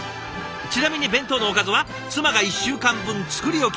ちなみに弁当のおかずは妻が１週間分作り置き。